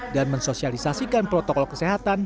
dan mensosialisasikan protokol kesehatan